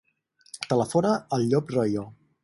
Telefona al Llop Royo.